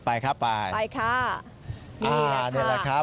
ไปครับไปค่ะนี่แหละค่ะนี่แหละครับ